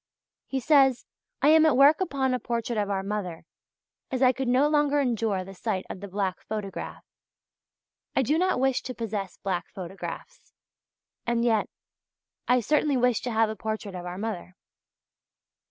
He says: "I am at work upon a portrait of our mother; as I could no longer endure the sight of the black photograph. I do not wish to possess black photographs, and yet I certainly wish to have a portrait of our mother."